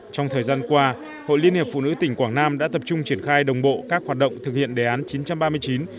trong thời gian qua hội liên hiệp phụ nữ tỉnh quảng nam đã tập trung triển khai đồng bộ các hoạt động thực hiện đề án chín trăm ba mươi chín